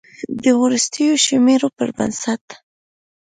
د وروستیو شمیرو پر بنسټ